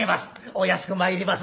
「お安く参ります」。